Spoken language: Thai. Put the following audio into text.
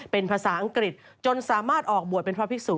เป็นภาษาอังกฤษจนสามารถออกบวชเป็นพระภิกษุ